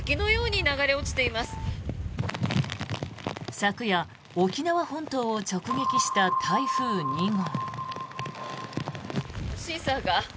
昨夜、沖縄本島を直撃した台風２号。